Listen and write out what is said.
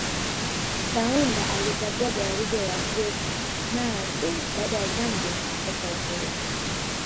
Kaunda alikagua gwaride la jeshi mara tu baada ya Zambia kupata uhuru